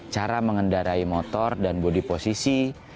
cara mengendarai motor dan bodi posisi